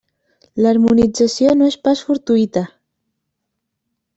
L'harmonització no és pas fortuïta.